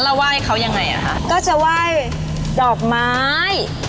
แล้วเราก็ไหว้ดอกไม้